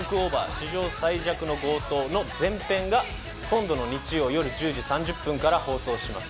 史上最弱の強盗』前編が今度の日曜、夜１０時３０分から放送します。